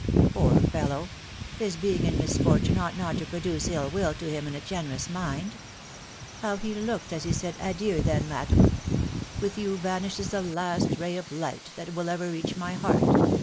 •.... Poor fellow ! His being in misfortune ought not to produce ill will : in a generous mind !•... How he looked as he said then, madam !.... With you vanishes the last ray of fight that will ever reach my heart